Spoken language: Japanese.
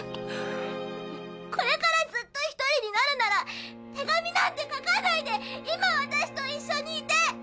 これからずっと１人になるなら手紙なんて書かないで今私と一緒にいて！